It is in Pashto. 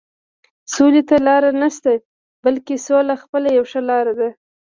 سولې ته لاره نشته، بلکې سوله خپله یوه ښه لاره ده.